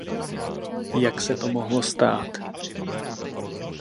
Jak se to mohlo stát?